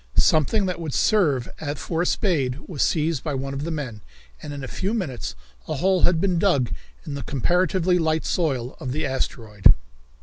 Something that would serve for a spade was seized by one of the men, and in a few minutes a hole had been dug in the comparatively light soil of the asteroid.